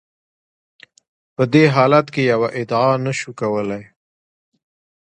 په دې حالت کې یوه ادعا نشو کولای.